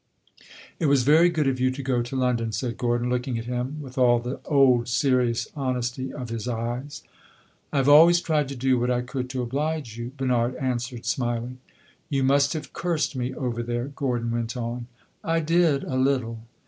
"It was very good of you to go to London," said Gordon, looking at him with all the old serious honesty of his eyes. "I have always tried to do what I could to oblige you," Bernard answered, smiling. "You must have cursed me over there," Gordon went on. "I did, a little.